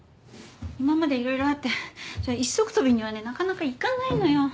今までいろいろあってそりゃ一足飛びにはねなかなかいかないのよ。